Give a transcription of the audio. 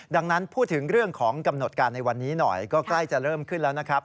ดังนั้นพูดถึงเรื่องของกำหนดการในวันนี้หน่อยก็ใกล้จะเริ่มขึ้นแล้วนะครับ